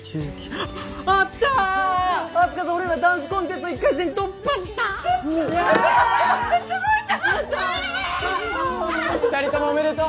ああ２人ともおめでとう！